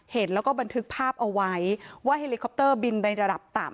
เห็นแล้วก็บันทึกภาพเอาไว้ว่าเฮลิคอปเตอร์บินในระดับต่ำ